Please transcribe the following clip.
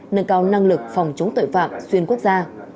nâng cao năng lực phòng chống tội phạm xuyên quốc gia